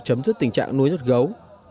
chấm dứt tình trạng nuôi nhốt gấu